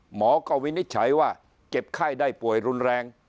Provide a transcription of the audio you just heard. หมอก็วินิจฉัยว่าเก็บไข้ได้ป่วยรุนแรง